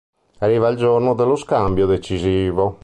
Arriva il giorno dello scambio decisivo.